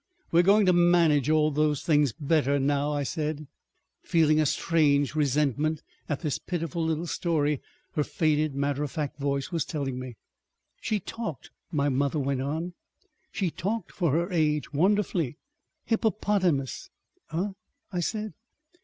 "We are going to manage all these things better now," I said, feeling a strange resentment at this pitiful little story her faded, matter of fact voice was telling me. "She talked," my mother went on. "She talked for her age wonderfully. ... Hippopotamus." "Eh?" I said.